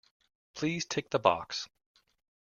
Please tick the box